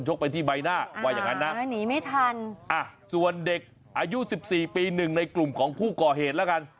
ยกไปที่ใบหน้าว่าอย่างนั้นนะส่วนเด็กอายุ๑๔ปีหนึ่งในกลุ่มของผู้ก่อเหตุละกัน